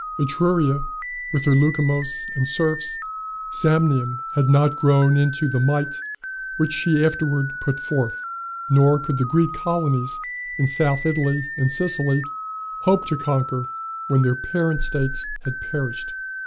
Etruria, with her lucumos and serfs, was no match for Persia. Samnium had not grown into the might which she afterward put forth; nor could the Greek colonies in South Italy and Sicily hope to conquer when their parent states had perished.